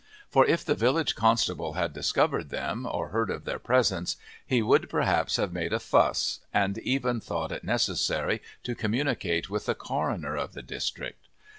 For if the village constable had discovered them, or heard of their presence, he would perhaps have made a fuss and even thought it necessary to communicate with the coroner of the district.